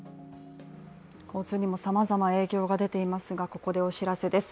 交通にもさまざま影響が出ていますがここでお知らせです。